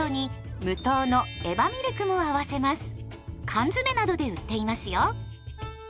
缶詰などで売っていますよ。